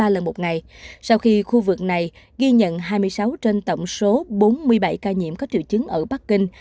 ba lần một ngày sau khi khu vực này ghi nhận hai mươi sáu trên tổng số bốn mươi bảy ca nhiễm có triệu chứng ở bắc kinh